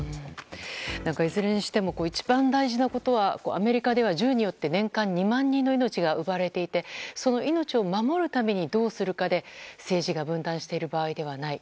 いずれにしても一番大事なことはアメリカでは銃によって年間２万人の命が奪われていてその命を守るためにどうするかで政治が分断している場合ではない。